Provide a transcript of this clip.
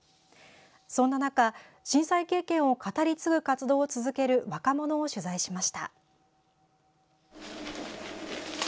そんな中、震災経験を語り継ぐ活動を続ける若者を取材しました。